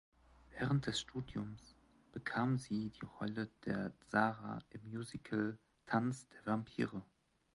Während des Studiums bekam sie die Rolle der Sarah im Musical "Tanz der Vampire".